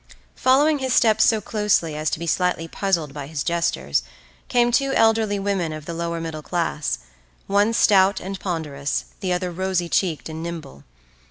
Following his steps so closely as to be slightly puzzled by his gestures came two elderly women of the lower middle class, one stout and ponderous, the other rosy cheeked and nimble.